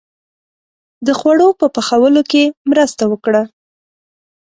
• د خوړو په پخولو کې مرسته وکړه.